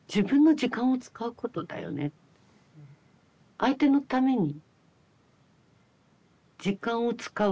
相手のために時間を使う。